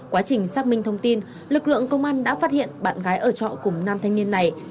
quá trình xác minh thông tin lực lượng công an đã phát hiện bạn gái ở trọ cùng nam thanh niên này